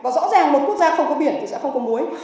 và rõ ràng một quốc gia không có biển thì sẽ không có muối